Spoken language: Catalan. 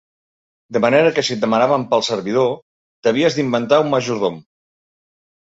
De manera que si et demanaven pel “servidor” t'havies d'inventar un majordom.